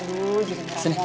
gue juga ngerambah